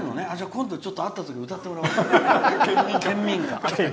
今度会ったときに歌ってもらおう。